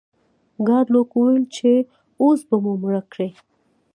ګارلوک وویل چې اوس به مو مړه کړئ.